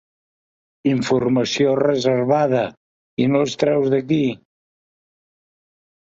Informació reservada, i no els treus d'aquí.